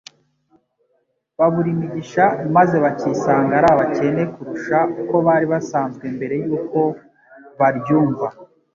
babura imigisha, maze bakisanga ari abakene kurusha uko bari basanzwe mbere y'uko baryumva